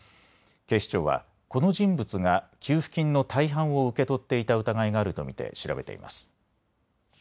警視庁はこの人物が給付金の大半を受け取っていた疑いがあると見て調べています。